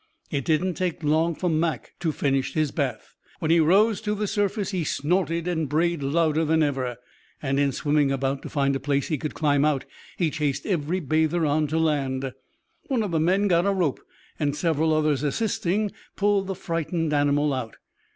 It didn't take long for Mac to finish his bath. When he rose to the surface he snorted and brayed louder than ever, and in swimming about to find a place he could climb out he chased every bather on to land. One of the men got a rope, and, several others assisting, pulled the frightened animal out.